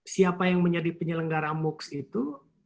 siapa yang menjadi penyelenggara moocs itu